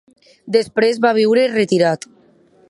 Després va viure retirat.